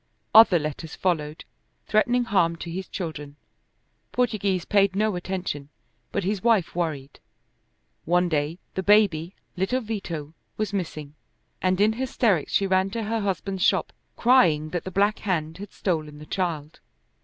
Other letters followed, threatening harm to his children. Portoghese paid no attention, but his wife worried. One day the baby, little Vito, was missing, and in hysterics she ran to her husband's shop crying that the Black Hand had stolen the child.